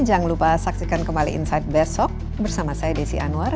jangan lupa saksikan kembali insight besok bersama saya desi anwar